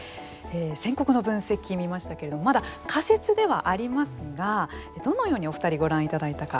線刻の分析、見ましたけれどもまだ仮説ではありますがどのように、お二人ご覧いただいたか。